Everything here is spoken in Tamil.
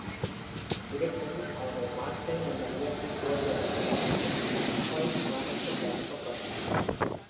இருப்பினும், அவரது வாழ்க்கையின் இந்த முயற்சி தோல்வியடைந்தது மற்றும் ஹோய்ட் துவாரத்துக்கு அனுப்பப்பட்டார்.